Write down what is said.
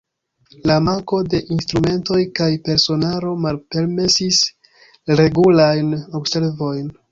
La manko de instrumentoj kaj personaro malpermesis regulajn observojn.